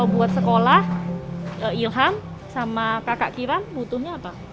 buat sekolah ilham sama kakak kiran butuhnya apa